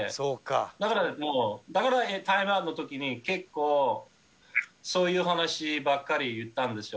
だからもう、だからタイムアウトのときに、結構、そういう話ばかり言ったんですよ。